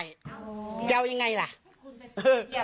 ยาวยังไงล่ะเออ